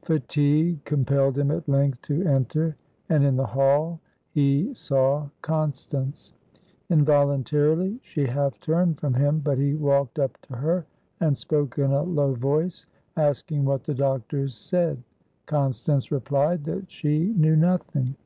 Fatigue compelled him at length to enter, and in the hall he saw Constance. Involuntarily, she half turned from him, but he walked up to her, and spoke in a low voice, asking what the doctors said. Constance replied that she knew nothing.